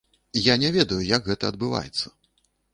Я не ведаю, як гэта адбываецца.